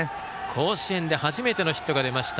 甲子園で初めてのヒットが出ました。